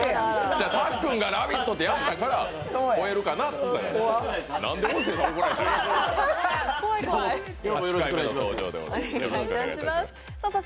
さっくんが「ラヴィット！」ってやったから、超えるかなって。